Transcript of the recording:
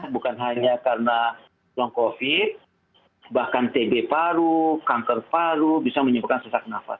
bukan hanya karena long covid bahkan tb paru kanker paru bisa menyebabkan sesak nafas